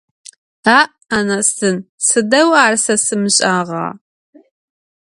A' - anasın, sıdeu ar se sımış'ağa!